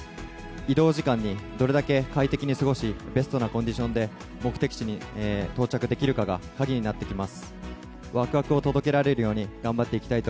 移動時間にどれだけ快適に過ごし、ベストなコンディションで目的地に到着できるかが鍵になってきま